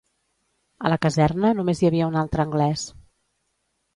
A la caserna només hi havia un altre anglès